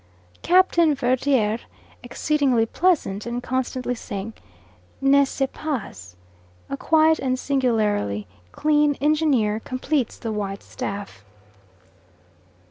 Captain Verdier exceedingly pleasant and constantly saying "N'est ce pas?" A quiet and singularly clean engineer completes the white staff.